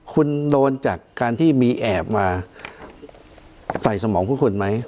คุณโดนจากการที่มีแอบมาใส่สมองทุกคนไหม